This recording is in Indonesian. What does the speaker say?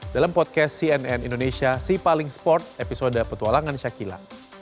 dalam podcast cnn indonesia sipaling sport episode petualangan shakila